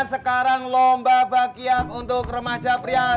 sekarang lomba bakiak untuk remaja pria